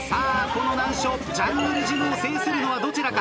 この難所ジャングルジムを制するのはどちらか。